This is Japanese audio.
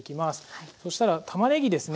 そしたらたまねぎですね。